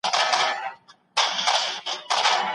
نوښت د پرمختګ یوازینۍ لاره ده.